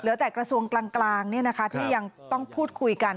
เหลือแต่กระทรวงกลางที่ยังต้องพูดคุยกัน